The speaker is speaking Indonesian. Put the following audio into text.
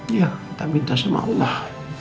iya kita minta sama allah